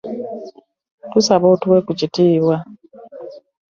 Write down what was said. Tusaba otuwe ku kitiibwa.